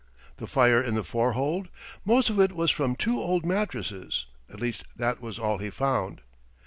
The fire in the forehold? Most of it was from two old mattresses at least that was all he found.